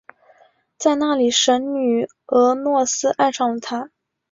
在那里神女俄诺斯爱上了他。